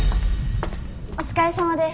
お疲れさまです。